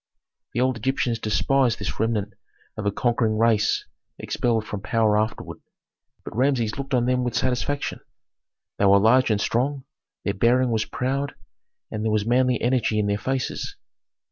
The old Egyptians despised this remnant of a conquering race expelled from power afterward, but Rameses looked on them with satisfaction. They were large and strong, their bearing was proud, and there was manly energy in their faces.